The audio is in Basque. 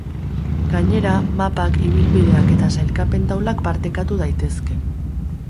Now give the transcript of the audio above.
Gainera, mapak, ibilbideak eta sailkapen-taulak partekatu daitezke.